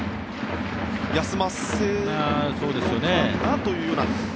休ませるのかなというような。